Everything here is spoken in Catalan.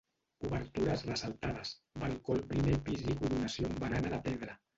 Obertures ressaltades, balcó al primer pis i coronació amb barana de pedra.